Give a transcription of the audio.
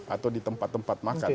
atau di tempat tempat makan